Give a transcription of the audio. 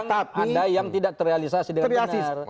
ada yang tidak terrealisasi dengan benar